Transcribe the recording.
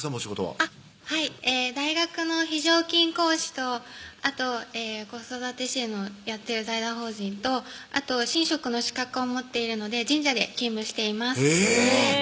はい大学の非常勤講師とあと子育て支援をやっている財団法人とあと神職の資格を持っているので神社で勤務していますえぇ！